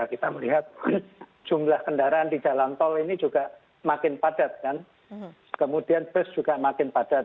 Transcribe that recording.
kita melihat jumlah kendaraan di jalan tol ini juga makin padat kan kemudian bus juga makin padat